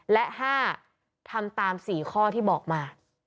และห้าทำตามสี่ข้อที่บอกมา